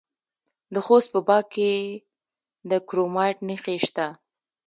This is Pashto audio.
د خوست په باک کې د کرومایټ نښې شته.